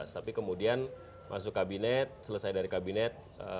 tapi kemudian masuk kabinet selesai dari kabinet